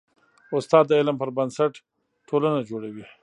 استاد د علم پر بنسټ ټولنه جوړوي.